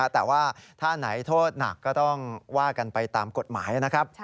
แต่ว่าถ้าไหนโทษหนักก็ต้องว่ากันไปตามกฎหมายนะครับ